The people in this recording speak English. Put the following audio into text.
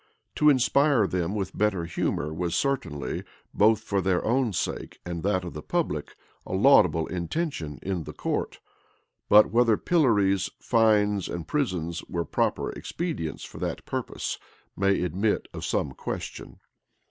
[] To inspire them with better humor was certainly, both for their own sake and that of the public, a laudable intention in the court; but whether pillories, fines and prisons were proper expedients for that purpose, may admit of some question.